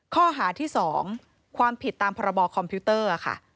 ข้อหาที่๒ความผิดตามพรบคอมพิวเตอร์ค่ะ